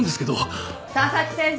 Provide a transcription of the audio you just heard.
佐々木先生